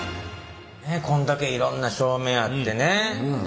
こんだけいろんな照明あってねで